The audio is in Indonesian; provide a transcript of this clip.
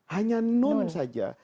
hanya nun saja